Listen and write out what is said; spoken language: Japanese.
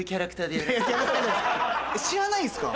知らないんすか？